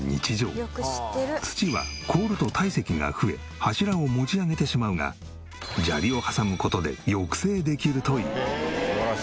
土は凍ると堆積が増え柱を持ち上げてしまうが砂利を挟む事で抑制できるという。